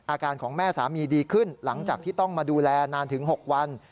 อาการของแม่สามีดีขึ้นหลังจากที่ต้องมาดูแลนานถึง๖วัน